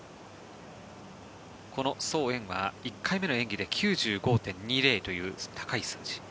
このソウ・エンは１回目の演技で９５．２０という高い数字。